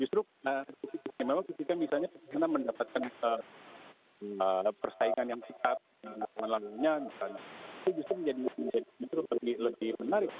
justru memang kita misalnya pernah mendapatkan persaingan yang sikat dengan teman temannya itu justru menjadi lebih menarik